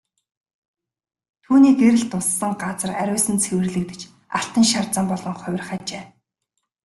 Түүний гэрэл туссан газар ариусан цэвэрлэгдэж алтан шар зам болон хувирах ажээ.